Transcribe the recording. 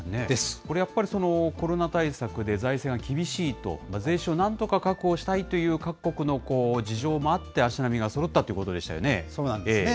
これやっぱり、コロナ対策で、財政が厳しいと、税収をなんとか確保したいという各国の事情もあって、足並みがそろったというこそうなんですね。